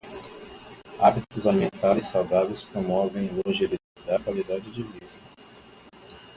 Hábitos alimentares saudáveis promovem longevidade e qualidade de vida.